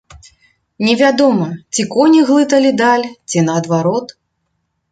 Невядома, ці коні глыталі даль, ці наадварот.